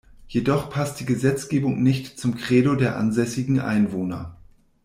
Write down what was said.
Jedoch passt die Gesetzgebung nicht zum Credo der ansässigen Einwohner.